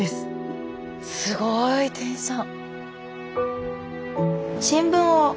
すごい店員さん！